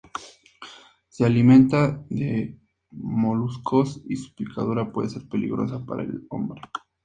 Se alimenta de moluscos y su picadura puede ser peligrosa para el hombre.